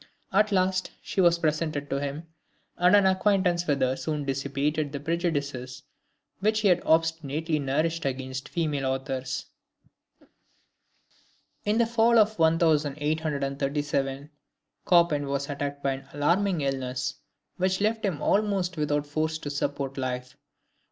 At last she was presented to him, and an acquaintance with her soon dissipated the prejudices which he had obstinately nourished against female authors. In the fall of 1837, Chopin was attacked by an alarming illness, which left him almost without force to support life.